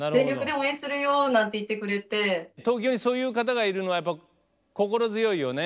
東京にそういう方がいるのはやっぱ心強いよね。